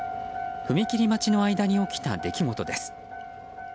踏切待ちの間に起きた出来事です。